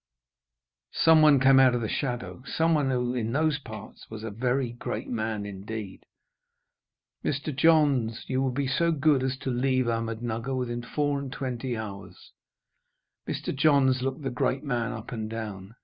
Someone came out of the shadow someone who, in those parts, was a very great man indeed. "Mr. Johns, you will be so good as to leave Ahmednugger within four and twenty hours." Mr. Johns looked the great man up and down.